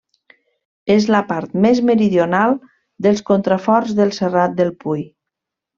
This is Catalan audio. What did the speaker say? És la part més meridional dels contraforts del Serrat del Pui.